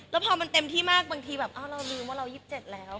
แล้วพอมันเต็มที่มากบางทีแบบอ้าวเราลืมว่าเรา๒๗แล้ว